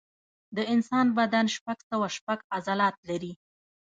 د انسان بدن شپږ سوه شپږ عضلات لري.